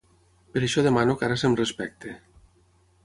Per això demane que ara se’m respecte.